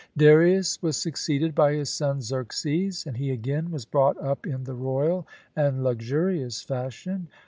Darius was succeeded by his son Xerxes; and he again was brought up in the royal and luxurious fashion.